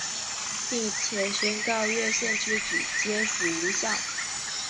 并且宣告越线之举皆属无效。